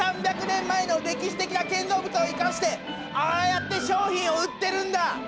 ２００３００年前の歴史的な建造物を生かしてああやって商品を売ってるんだ！